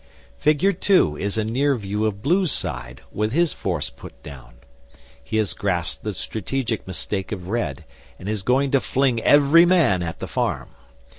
Figure 2 is a near view of Blue's side, with his force put down. He has grasped the strategic mistake of Red, and is going to fling every man at the farm.